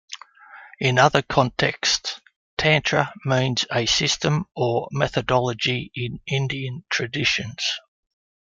In other contexts, Tantra means a system or methodology in Indian traditions.